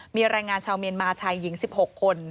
มีแรงงานชาวเมียนมาชายหญิง๑๖คน